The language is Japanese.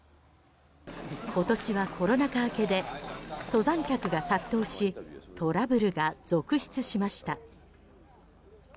今年はコロナ禍明けで登山客が殺到しトラブルが続出しました。